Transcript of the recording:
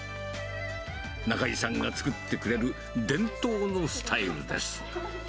中居さんが作ってくれる伝統のスタイルです。